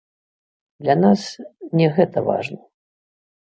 Для нас не гэта важна.